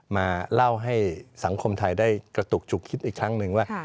มาเล่าให้สังคมไทยได้กระตุกจุกคิดอีกครั้งหนึ่งว่า